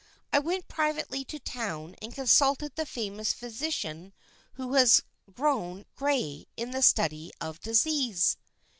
I went privately to town and consulted the famous physician who has grown gray in the study of disease."